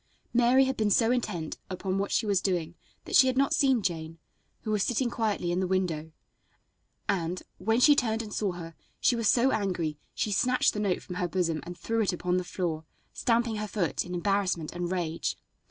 Mary had been so intent upon what she was doing that she had not seen Jane, who was sitting quietly in the window, and, when she turned and saw her, she was so angry she snatched the note from her bosom and threw it upon the floor, stamping her foot in embarrassment and rage.